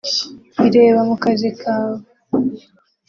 ireba mu kazi kawe